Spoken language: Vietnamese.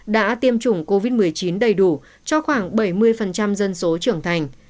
đã tiêm chủng covid một mươi chín đầy đủ cho khoảng bảy mươi dân số trưởng thành